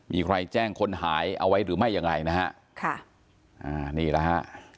มีใครแจ้งคนหายเอาไว้หรือไม่ยังไงนะฮะค่ะอ่านี่แหละฮะ